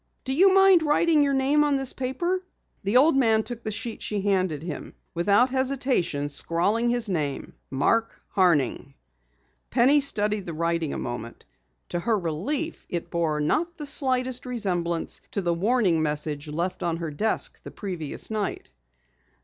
Do you mind writing your name on this paper?" The old man took the sheet she handed him, without hesitation scrawling his name, Mark Horning. Penny studied the writing a moment. To her relief it bore not the slightest resemblance to the warning message left on her desk the previous night.